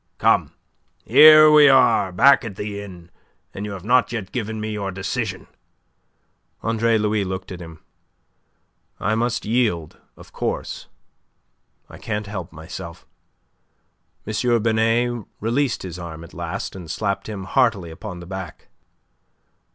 Come; here we are back at the inn, and you have not yet given me your decision." Andre Louis looked at him. "I must yield, of course. I can't help myself." M. Binet released his arm at last, and slapped him heartily upon the back.